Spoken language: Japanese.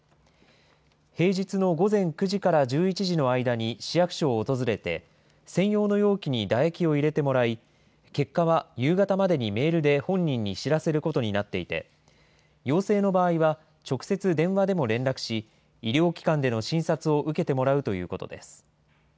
平日の午前９時から１１時の間に市役所を訪れて、専用の容器に唾液を入れてもらい、結果は夕方までにメールで本人に知らせることになっていて、陽性の場合は直接電話でも連絡し、医療機関での診察を受けてもらうということです。